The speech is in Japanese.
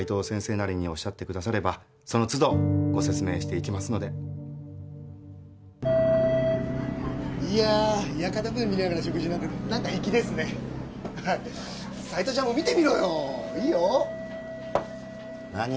なりにおっしゃってくださればその都度ご説明していきますので・屋形船見ながら食事なんて粋ですね斉藤ちゃんも見てみろよ何？